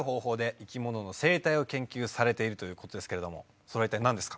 生きものの生態を研究されているということですけれどもそれは一体何ですか？